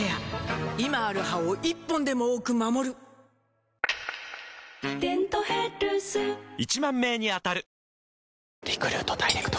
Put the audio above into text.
今ある歯を１本でも多く守る「デントヘルス」１０，０００名に当たる！